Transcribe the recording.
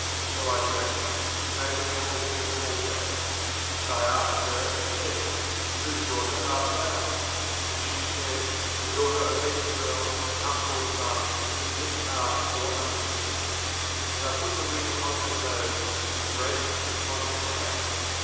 So I drank, and she made the camels drink also. 47And I asked her, and said: Whose daughter art thou? And she said: The daughter of Bethuel, Nahor's son. whom Milcah bore unto him. And I put the ring upon her nose, and the bracelets upon her hands.